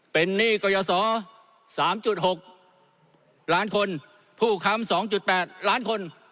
เป็นหนี้กระยะสอสามจุดหกล้านคนผู้คำสองจุดแปดล้านคน